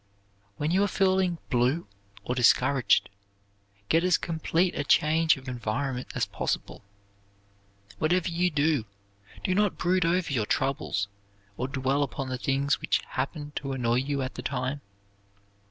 When you are feeling "blue" or discouraged, get as complete a change of environment as possible. Whatever you do, do not brood over your troubles or dwell upon the things which happen to annoy you at the time.